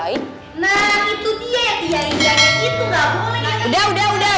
nah itu dia yang dihidangin itu nggak boleh ya kan